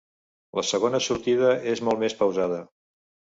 La segona sortida és molt més pausada.